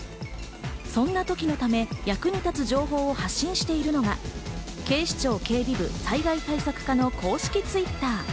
そんなときのため、役に立つ情報を発信しているのが、警視庁警備部災害対策課の公式Ｔｗｉｔｔｅｒ。